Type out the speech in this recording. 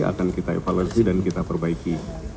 akan kita evaluasi dan kita perbaiki